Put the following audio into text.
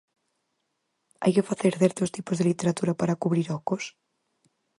Hai que facer certos tipos de literatura para cubrir ocos?